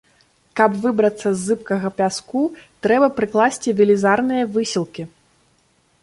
Каб выбрацца з зыбкага пяску, трэба прыкласці велізарныя высілкі.